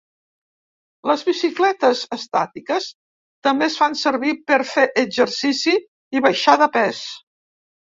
Les bicicletes estàtiques també es fan servir per fer exercici i baixar de pes.